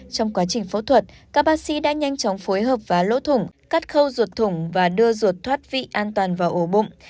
trong quá trình phẫu thuật các bác sĩ đã nhanh chóng phối hợp và lỗ thủng cắt khâu ruột thủng và đưa ruột thoát vị an toàn vào ổ bụng